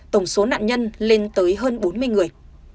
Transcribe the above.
tổng số nạn nhân lên tới hơn bốn mươi người